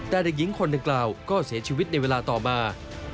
แต่เด็กหญิงคนดังกล่าวก็เสียชีวิตในเวลาต่อมา